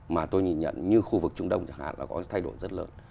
mà tôi nhìn nhận như khu vực trung đông chẳng hạn là có những thay đổi rất lớn